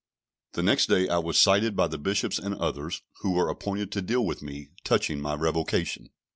The next day I was cited by the Bishops and others, who were appointed to deal with me touching my revocation.